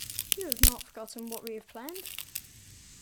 You have not forgotten what we have planned?